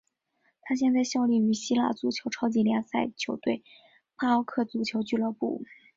他现在效力于希腊足球超级联赛球队帕奥克足球俱乐部。